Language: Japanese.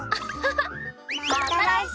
また来週。